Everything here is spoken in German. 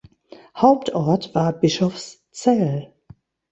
Hauptort war Bischofszell.